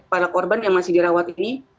para korban yang masih dirawat ini